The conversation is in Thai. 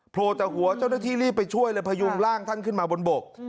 โผล่จากหัวเจ้าหน้าที่รีบไปช่วยเลยพยุงร่างท่านขึ้นมาบนบก